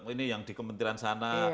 ini yang di kementerian sana